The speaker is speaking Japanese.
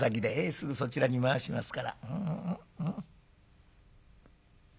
すぐそちらに回しますから」。